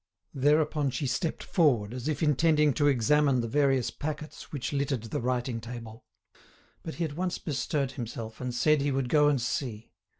Thereupon she stepped forward as if intending to examine the various packets which littered the writing table. But he at once bestirred himself, and said he would go and see.